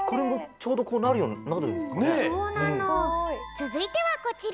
つづいてはこちら！